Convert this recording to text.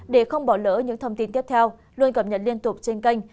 để không bỏ lỡ những thông tin tiếp theo luôn cập nhật liên tục trên kênh